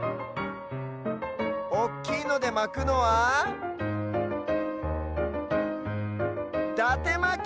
おっきいのでまくのはだてまき！